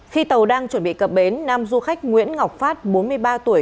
khi tàu đang chuẩn bị cập bến nam du khách nguyễn ngọc phát bốn mươi ba tuổi